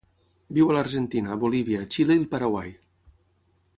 Viu a l'Argentina, Bolívia, Xile i el Paraguai.